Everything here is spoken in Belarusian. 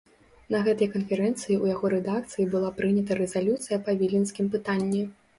На гэтай канферэнцыі ў яго рэдакцыі была прынята рэзалюцыя па віленскім пытанні.